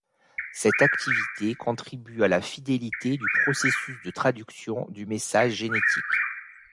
Cette activité contribue à la fidélité du processus de traduction du message génétique.